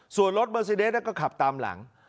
ส่วนรถเบอร์ซีเดสก็ขับตามหลัง